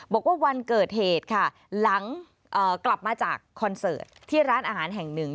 บอกว่าวันเกิดเหตุค่ะหลังกลับมาจากคอนเสิร์ตที่ร้านอาหารแห่งหนึ่ง